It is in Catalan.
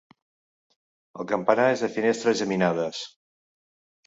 El campanar és de finestres geminades.